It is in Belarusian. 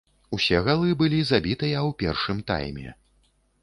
Усе галы былі забітыя ў першым тайме.